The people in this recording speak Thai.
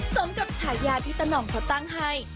สมกับฉายาที่ตะน่องเขาตั้งให้